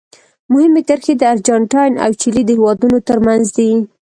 مهمې کرښې د ارجنټاین او چیلي د هېوادونو ترمنځ دي.